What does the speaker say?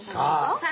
さあ。